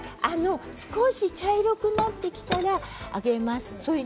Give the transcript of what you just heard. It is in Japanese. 少し茶色くなってきたら上げます。